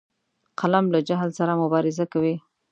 قلم له جهل سره مبارزه کوي